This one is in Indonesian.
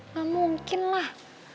gak mungkin lah